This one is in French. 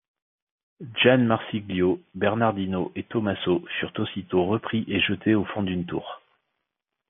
Gianmarsiglio, Bernardino et Tommaso furent aussitôt repris et jetés au fond d’une tour.